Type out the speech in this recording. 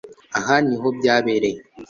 Aha niho byabereye